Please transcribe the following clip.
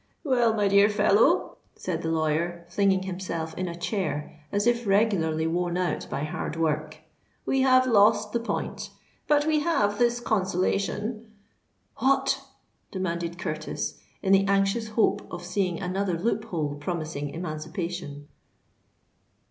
"Well, my dear fellow," said the lawyer, flinging himself in a chair as if regularly worn out by hard work, "we have lost the point; but we have this consolation——" "What?" demanded Curtis, in the anxious hope of seeing another loophole promising emancipation.